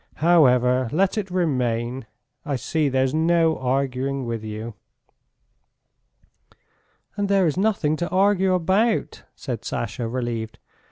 . However, let it remain! I see there's no arguing with you." "And there is nothing to argue about," said Sasha, relieved.